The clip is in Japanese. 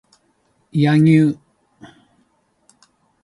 柳生